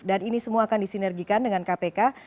dan ini semua akan disinergikan dengan kpk